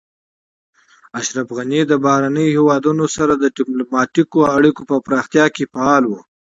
اشرف غني د بهرنیو هیوادونو سره د ډیپلوماتیکو اړیکو په پراختیا کې فعال و.